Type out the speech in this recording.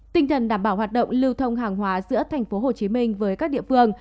tinh thần đảm bảo hoạt động lưu thông hàng hóa giữa tp hcm với các địa phương